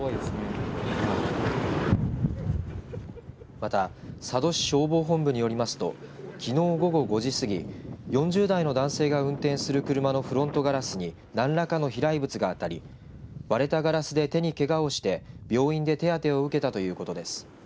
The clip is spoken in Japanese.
また佐渡市消防本部によりますときのう午後５時過ぎ４０代の男性が運転する車のフロントガラスに何らかの飛来物が当たり割れたガラスで手に、けがをして病院で手当てを受けたということです。